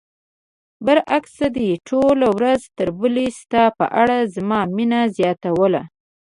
برعکس دې ټولو ورځ تر بلې ستا په اړه زما مینه زیاتوله.